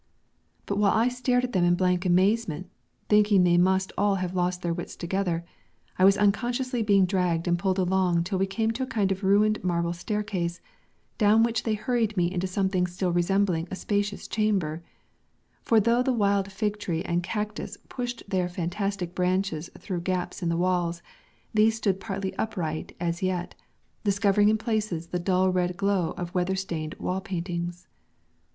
But while I stared at them in blank amazement, thinking they must all have lost their wits together, I was unconsciously being dragged and pulled along till we came to a kind of ruined marble staircase, down which they hurried me into something still resembling a spacious chamber; for though the wild fig tree and cactus pushed their fantastic branches through gaps in the walls, these stood partly upright as yet, discovering in places the dull red glow of weather stained wall paintings.